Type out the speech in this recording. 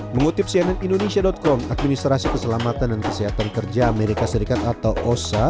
mengutip cnn indonesia com administrasi keselamatan dan kesehatan kerja amerika serikat atau osa